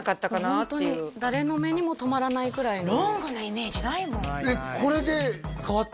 ホントに誰の目にもとまらないくらいのロングのイメージないもんこれで変わった？